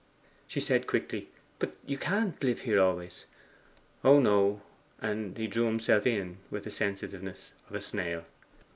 She said quickly: 'But you can't live here always.' 'Oh no.' And he drew himself in with the sensitiveness of a snail.